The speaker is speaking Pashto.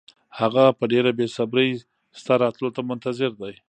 هغه په ډېره بې صبرۍ ستا راتلو ته منتظر دی.